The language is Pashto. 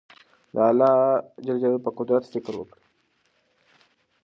د الله په قدرت فکر وکړئ.